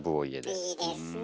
いいですね